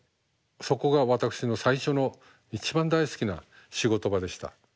そこが私の最初の一番大好きな仕事場でした。